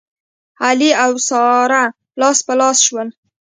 علي او ساره لاس په لاس شول.